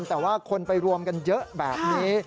แต่ว่าคนไปรวมกันเยอะแบบนี้